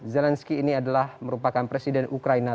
zelensky ini adalah merupakan presiden ukraina